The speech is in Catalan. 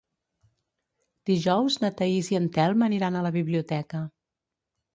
Dijous na Thaís i en Telm aniran a la biblioteca.